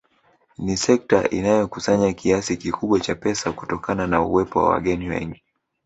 Ni sekta inayokusanya kiasi kikubwa cha pesa kutokana na uwepo wa wageni wengi